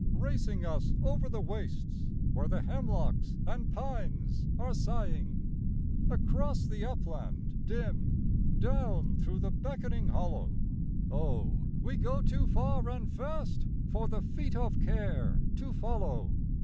Racing us over the wastes where the hemlocks and pines are sighing. 58 Across the upland dim, down through the beckoning hollow — Oh, we go too far and fast for the feet of care to follow